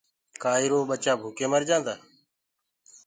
ڪآ ارو ٻچآ ڀوڪي مرجآندآ